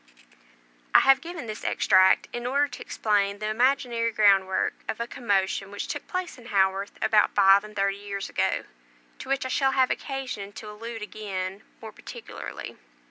I have given this extract, in order to explain the imaginary groundwork of a commotion which took place in Haworth about five and thirty years ago, to which I shall have occasion to allude again more particularly.